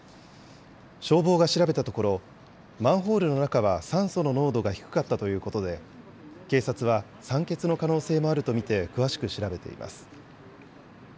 消防が調べたところ、マンホールの中は酸素の濃度が低かったということで、警察は酸欠の可能性もあると見て詳しく調べています。